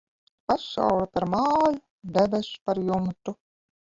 Pasaule par māju, debess par jumtu.